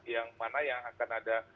yang mana yang akan ada